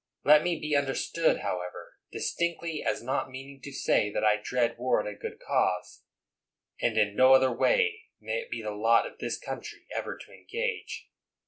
Let me be understood, however, distinctly as not meaning to say that I dread war in a good cause (and in no other way may it be the lot of this country ever to engage!)